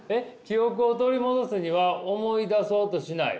「記憶を取り戻すには思い出そうとしない」。